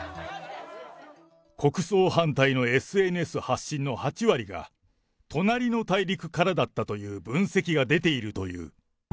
国葬反対のＳＮＳ発信の８割が、隣の大陸からだったという分析が出ているという。